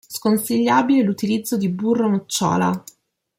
Sconsigliabile l'utilizzo di burro nocciola.